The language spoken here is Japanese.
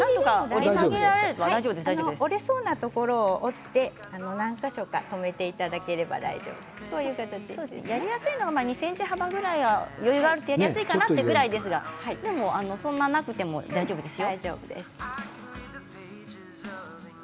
折れそうなところを折って何か所か留めていただければやりやすいのが２ｃｍ幅ぐらい余裕があればやりやすいかなという感じですがそんなになくても大丈夫ですよ。